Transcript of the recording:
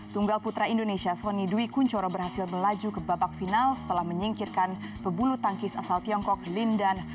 tunggal putra indonesia sony dwi kunchoro berhasil melaju ke babak final setelah menyingkirkan pebulu tangkis asal tiongkok lindan